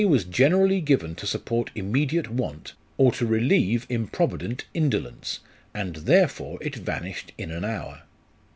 81 was generally given to support immediate want, or to relieve improvident indolence, and therefore it vanished in an hour.